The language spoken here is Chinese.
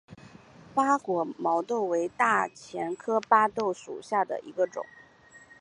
毛果巴豆为大戟科巴豆属下的一个种。